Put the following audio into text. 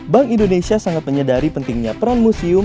bank indonesia sangat menyadari pentingnya peran museum